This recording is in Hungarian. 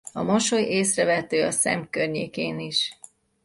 A mosoly észrevehető a szem környékén is.